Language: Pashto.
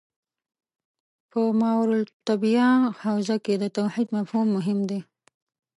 په ماورا الطبیعه حوزه کې د توحید مفهوم مهم دی.